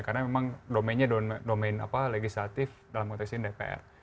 karena memang domainnya legislatif dalam konteks ini dpr